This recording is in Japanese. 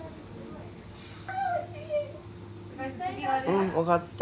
うん分かった。